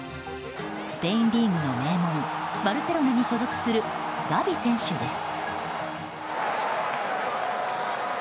スペインリーグの名門バルセロナに所属するガヴィ選手です。